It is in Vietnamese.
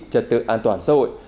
trật tự an toàn xã hội